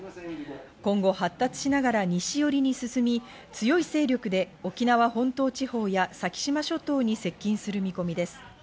今後、発達しながら西寄りに進み、強い勢力で、沖縄本島地方や先島諸島に接近する見込みです。